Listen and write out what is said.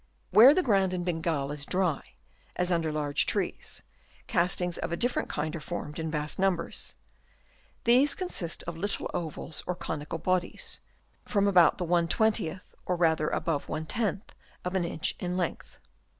Where the ground in Bengal is dry, as under large trees, castings of a different kind are found in vast numbers : these con sist of little oval or conical bodies, from about the ^ to rather above ^ of an inch in length.